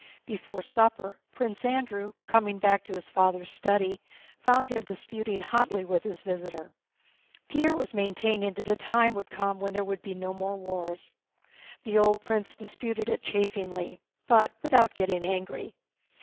Before supper, Prince Andrew, coming back to his father's study, found him disputing hotly with his visitor. Pierre was maintaining that a time would come when there would be no more wars. The old prince disputed it chaffingly, but without getting angry.